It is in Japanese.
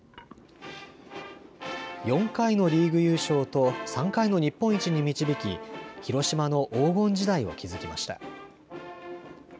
４回のリーグ優勝と３回の日本一に導き広島の黄金時代を築きました。